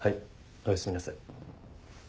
おやすみなさい。